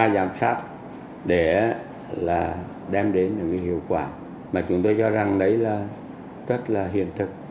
để đem đến hiệu quả chúng tôi cho rằng đấy là rất là hiền thực